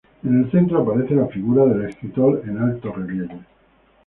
En el centro aparece la figura del escritor en altorrelieve.